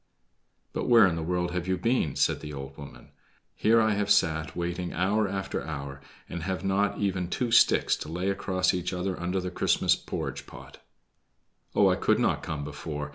"But where in the world have you been?" said the old woman. "Here I have sat waiting hour after hour, and have not even two sticks to lay across each other under the Christmas porridge pot." "Oh, I could not come before.